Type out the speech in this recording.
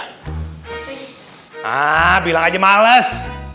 nah bilang aja males